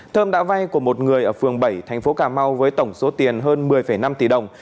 thơm đã vay của một người ở phường bảy thành phố cà mau với tổng số tiền hơn một mươi năm tỷ đồng